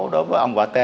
đối với ông võ t